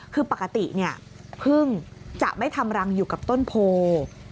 คือปกติเนี่ยพึ่งจะไม่ทำรังอยู่กับต้นโพ